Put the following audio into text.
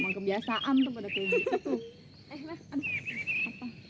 emang kebiasaan tuh pada kulit